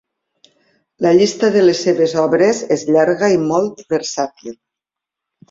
La llista de les seves obres és llarga i molt versàtil.